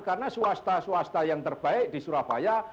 karena swasta swasta yang terbaik di surabaya